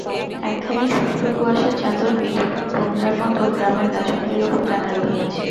একখানি শুভ্র কুয়াশার চাদর বিধবার ঘোমটার মতো গ্রামের গাছগুলির উপর টানা রহিয়াছে।